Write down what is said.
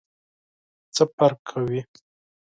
څه فرق کوي ؟